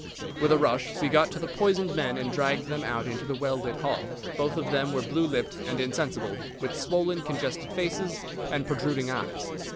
With a rush we got to the poisoned men and dragged them out into the well lit hall. Both of them were blue lipped and insensible, with swollen, congested faces and protruding eyes.